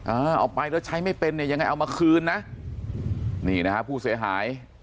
เอาไปแล้วใช้ไม่เป็นเนี่ยยังไงเอามาคืนนะนี่นะฮะผู้เสียหาย